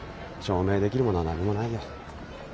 証明できるものは何もないよ。